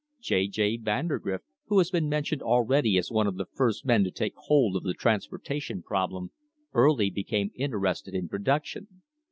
J. J. Vandergrift, who has been mentioned already as one of the first men to take hold of the transportation problem, early became interested in production.